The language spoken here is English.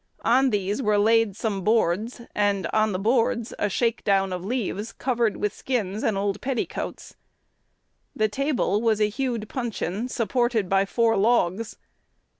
On these were laid some boards, and on the boards a "shake down" of leaves covered with skins and old petticoats. The table was a hewed puncheon, supported by four legs.